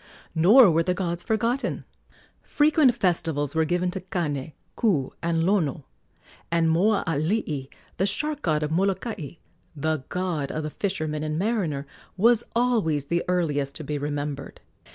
Nor were the gods forgotten. Frequent festivals were given to Kane, Ku, and Lono; and Moaalii, the shark god of Molokai the god of the fisherman and mariner was always the earliest to be remembered.